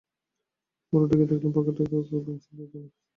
ঘরে ঢুকেই দেখলাম, পকেটখাতায় পেনসিল দিয়ে রোজনামচা লিখছেন তিনি।